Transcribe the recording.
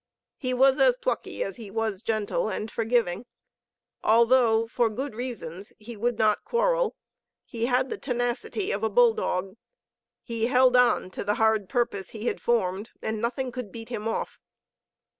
He was as plucky as he was gentle and forgiving. Although, for good reasons, he would not quarrel, he had the tenacity of a bull dog, he held on to the hard purpose he had formed and nothing could beat him off.